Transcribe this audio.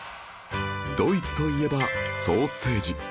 ドイツといえばソーセージ